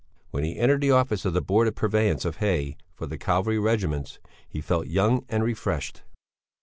When he entered the office of the Board of Purveyance of Hay for the Cavalry Regiments, he felt young and refreshed.